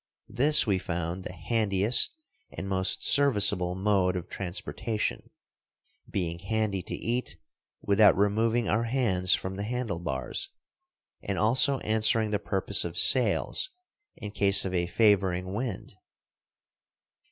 This we found the handiest and most serviceable mode of transportation, being handy to eat without removing our hands from the handle bars, and also answering the purpose of sails in case of a favoring wind.